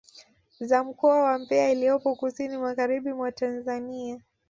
Za mkoa wa Mbeya iliyopo kusini magharibi mwa Tanzania